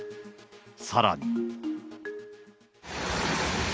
さらに。